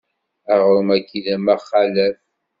Aɣrum-agi d amxalef.